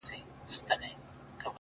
• نه په صرفو نه په نحو دي پوهېږم,